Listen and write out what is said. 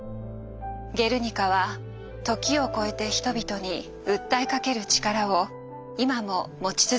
「ゲルニカ」は時を超えて人々に訴えかける力を今も持ち続けています。